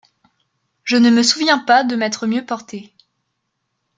Je ne me souviens pas de m'être mieux portée.